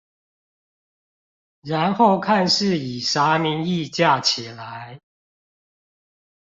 然後看是以啥名義架起來